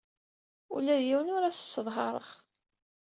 Ula d yiwen ur as-sseḍhareɣ.